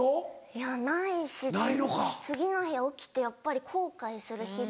いやないし次の日起きてやっぱり後悔する日々。